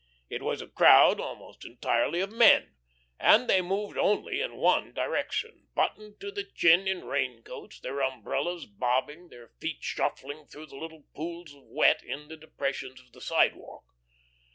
It was a crowd almost entirely of men, and they moved only in one direction, buttoned to the chin in rain coats, their umbrellas bobbing, their feet scuffling through the little pools of wet in the depressions of the sidewalk.